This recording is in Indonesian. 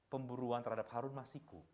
pemburuan terhadap harun masiku